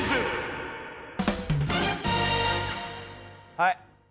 はい。